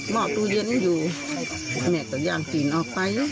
และก็อยากฟิลออกไป